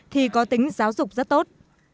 thì có tính giáo dục rất tốt